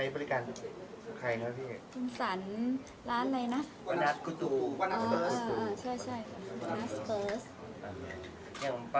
พี่การตัดใหม่เลยใช่ไหมครับตัดใหม่ค่ะ